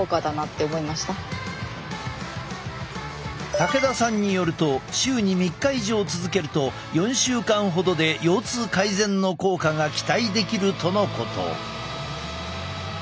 武田さんによると週に３日以上続けると４週間ほどで腰痛改善の効果が期待できるとのこと。